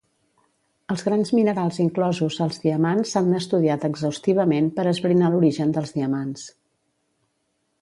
Els grans minerals inclosos als diamants s'han estudiat exhaustivament per esbrinar l'origen dels diamants.